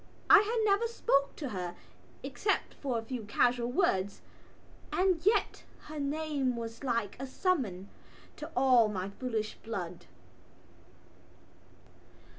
I had never spoken to her, except for a few casual words, and yet her name was like a summons to all my foolish blood.